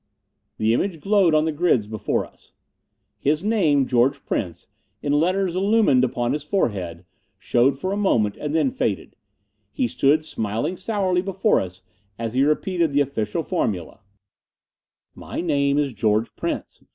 The image glowed on the grids before us. His name, George Prince, in letters illumined upon his forehead, showed for a moment and then faded. He stood smiling sourly before us as he repeated the official formula: "My name is George Prince.